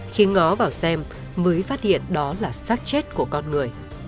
khi ngó vào xem mới phát hiện đó là sát chết của con người